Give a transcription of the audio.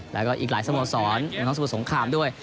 แล้วก็อีกหลายสโมสรอย่างน้องสโมสงคามด้วย